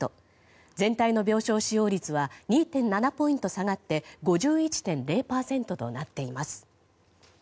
全体の病床使用率は２．７ポイント下がって５１．０％となっています。